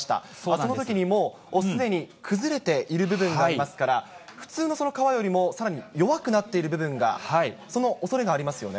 そのときにもう、すでに崩れている部分がありますから、普通の川よりも、さらに弱くなっている部分が、そのおそれがありますよね。